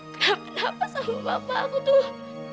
kenapa sama bapak aku tuh